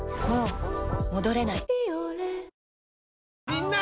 みんな！